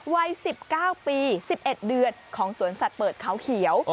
วัย๑๙ปี๑๑เดือนของสวนสัตว์เปิดเขาเขียว